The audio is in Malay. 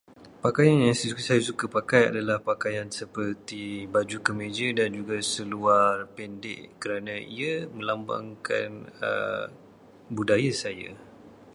Pakaian yang saya suka pakai adalah pakaian seperti baju kemeja dan juga seluar pendek kerana ia melambangkan budaya saya,